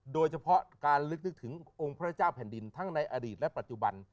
โดยเฉพาะการลึกถึงพระเจ้าทั้งในอดีตและปัจจุบัน